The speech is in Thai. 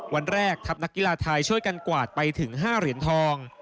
วันแรกทัพนักกีฬาไทยช่วยกันกวาดไปถึง๕เหรียญทอง